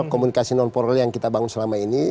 komunikasi non formal yang kita bangun selama ini